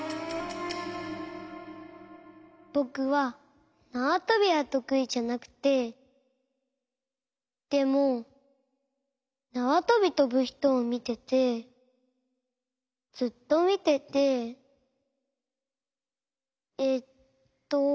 ぼくはなわとびはとくいじゃなくてでもなわとびとぶひとをみててずっとみててえっと。